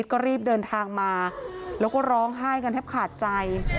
ก็รีบเดินทางมาแล้วก็ร้องไห้กันแทบขาดใจ